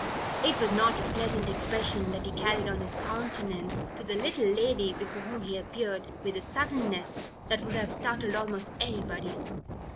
It was not a pleasant expression that he carried on his countenance to the little lady, before whom he appeared with a suddenness that would have startled almost anybody.